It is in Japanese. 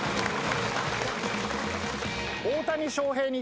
大谷翔平に。